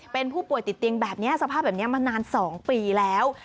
เป็นผู้ป่วยติดเตียงแบบนี้สภาพแบบนี้มานาน๒ปีแล้ว